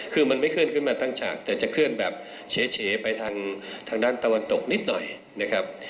คือมันไม่เคลื่อนขึ้นมาตั้งฉากแต่จะเคลื่อนแบบเฉไปทางด้านตะวันตกนิดหน่อยนะครับ